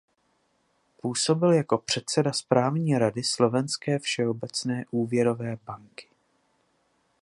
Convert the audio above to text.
Působil jako předseda správní rady Slovenské všeobecné úvěrové banky.